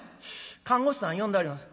「看護師さん呼んではります。